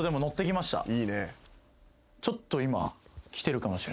ちょっと今。